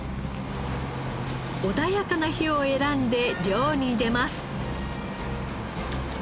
穏やかな日を選んで漁に出ます。